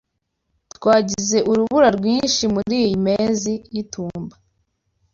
Twagize urubura rwinshi muriyi mezi y'itumba.